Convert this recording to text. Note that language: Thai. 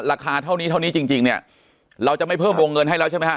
ราคาเท่านี้เท่านี้จริงเนี่ยเราจะไม่เพิ่มวงเงินให้แล้วใช่ไหมครับ